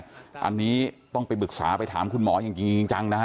อันนี้ต้องไปปรึกษาไปถามคุณหมออย่างจริงจังนะฮะ